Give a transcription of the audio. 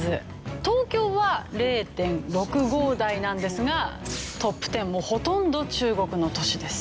東京は０．６５台なんですがトップ１０もうほとんど中国の都市です。